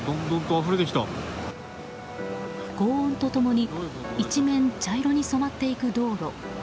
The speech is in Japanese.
轟音と共に一面茶色に染まっていく道路。